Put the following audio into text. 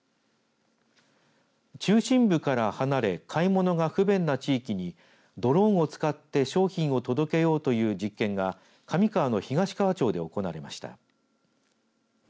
中心部から離れ買い物が不便な地域にドローンを使って商品を届けようという実験が上川の東川町で行われました。